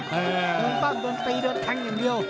โดนปั้งโดนตีโดนแทงอย่างเดียว